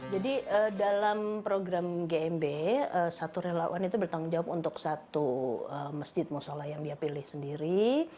jadi dalam program gmb satu relawan itu bertanggung jawab untuk satu masjid musyola yang dia pilih sendiri